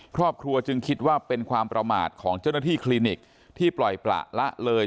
ครอบครัวจึงคิดว่าเป็นความประมาทของเจ้าหน้าที่คลินิกที่ปล่อยประละเลย